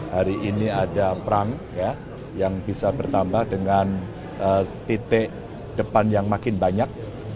hari ini ada perang yang bisa bertambah dengan titik depan yang makin banyak